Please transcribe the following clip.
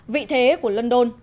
vị thế của london